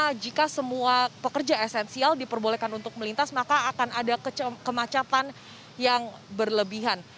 karena jika semua pekerja esensial diperbolehkan untuk melintas maka akan ada kemacatan yang berlebihan